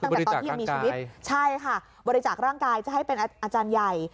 บริจาคร่างกายใช่ค่ะบริจาคร่างกายจะให้เป็นอาจารย์ใหญ่